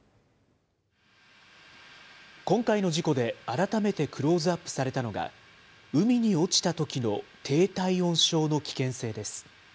今回の事故で改めてクローズアップされたのが、海に落ちたときの低体温症の危険性です。